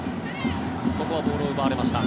ここはボールを奪われました。